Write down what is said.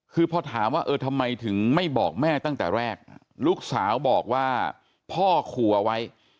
คือพอถามว่าเออทำไมถึงไม่บอกแม่ตั้งแต่แรกลูกสาวบอกว่าพ่อขู่เอาไว้